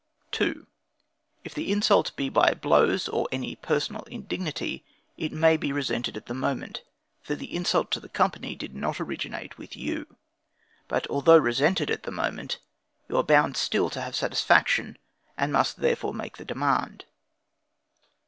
2. If the insult be by blows or any personal indignity, it may be resented at the moment, for the insult to the company did not originate with you. But although resented at the moment, you are bound still to have satisfaction, and must therefore make the demand.